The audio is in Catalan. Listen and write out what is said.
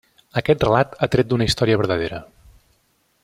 Aquest relat ha tret d'una història verdadera.